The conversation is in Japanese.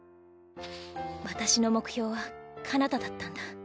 私の目標はかなただったんだ。